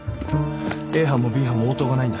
Ａ班もＢ班も応答がないんだ。